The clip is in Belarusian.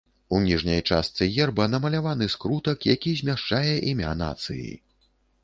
У ніжняй частцы герба намаляваны скрутак, які змяшчае імя нацыі.